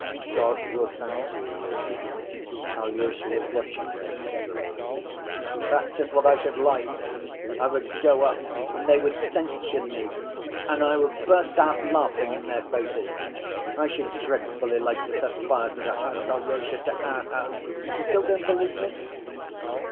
"God will censure you." Alyosha was watching her steadily. "That's just what I should like. I would go up and they would censure me, and I would burst out laughing in their faces. I should dreadfully like to set fire to the house, Alyosha, to our house; you still don't believe me?"